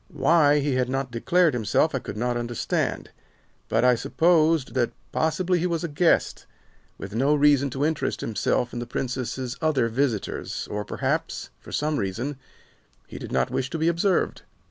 Why he had not declared himself I could not understand, but I supposed that possibly he was a guest, with no reason to interest himself in the Princess's other visitors, or perhaps, for some reason, he did not wish to be observed.